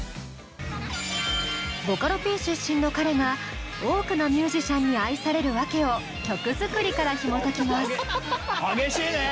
ボカロＰ出身の彼が多くのミュージシャンに愛される訳を曲作りからひもときます。